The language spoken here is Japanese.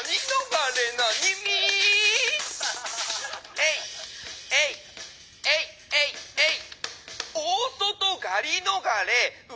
「えいえいえいえいえい」。